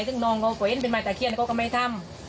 ซึ่งน้องเขาก็เห็นเป็นไม้ตะเคียนเขาก็ไม่ทำ